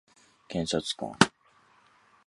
検察官